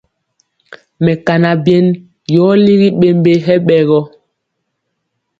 Mɛkana byen yɔ ligi ɓembe hɛ ɓɛ gɔ.